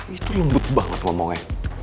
itu lembut banget ngomongnya